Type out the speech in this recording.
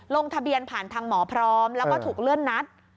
ลงทะเบียนผ่านทางหมอพร้อมแล้วก็ถูกเลื่อนนัด